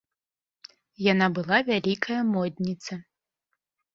Яна была вялікая модніца.